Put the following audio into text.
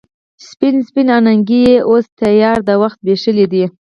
سپین، سپین اننګي یې اوس تیارو د وخت زبیښلې دي